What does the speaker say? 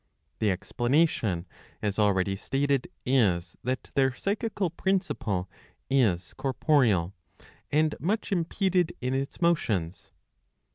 The explanation, as already stated, is that their psychical principle is corporeal, and much impeded in its motions.